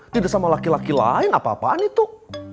tidak sama laki laki lain apa apaan itu